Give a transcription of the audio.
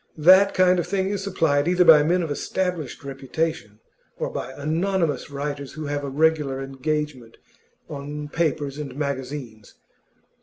That kind of thing is supplied either by men of established reputation, or by anonymous writers who have a regular engagement on papers and magazines.